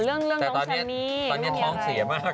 เรื่องน้องชายมี่ตอนนี้ท้องเสียมาก